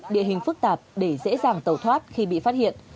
địa hình phức tạp để dễ dàng tẩu thoát khi bị phát hiện